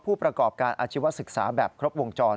ผู้ประกอบการอาชีวศึกษาแบบครบวงจร